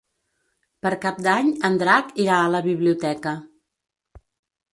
Per Cap d'Any en Drac irà a la biblioteca.